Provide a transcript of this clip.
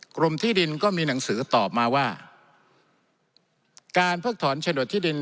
กรมที่ดินก็มีหนังสือตอบมาว่าการเพิกถอนโฉนดที่ดิน